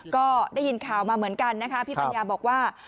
ก็ได้ยินข่าวมาเหมือนกันนะคะพี่ปัญญาบอกว่า